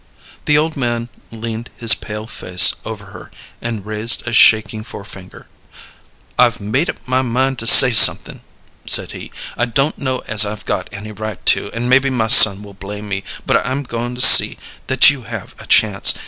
The old man leaned his pale face over her and raised a shaking forefinger. "I've made up my mind to say something," said he. "I don't know as I've got any right to, and maybe my son will blame me, but I'm goin' to see that you have a chance.